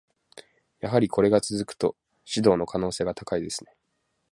やはりこれが続くと、指導の可能性が高いですね。